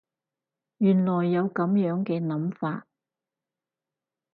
原來有噉樣嘅諗法